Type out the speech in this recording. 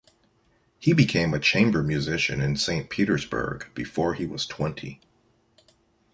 He became a chamber musician in Saint Petersburg before he was twenty.